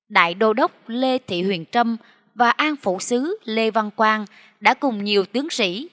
đại đô đốc lê thị huyền trâm và an phụ sứ lê văn quang đã cùng nhiều tướng sĩ